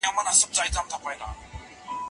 توري چې په سترګو نه لیدل کیږي په ماشین لیدل کیږي.